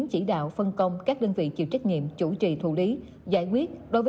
cảm ơn các bạn đã theo dõi